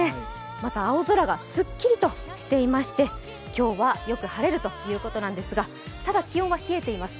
また青空がスッキリとしていまして今日はよく晴れるということなんですが、ただ気温は冷えています。